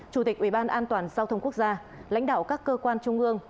chủ tịch ủy ban an toàn giao thông quốc gia lãnh đạo các cơ quan trung ương